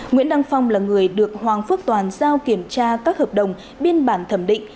nguyễn đăng phong là người được hoàng phước toàn giao kiểm tra các hợp đồng biên bản thẩm định